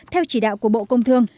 theo chỉ đạo của bộ công thương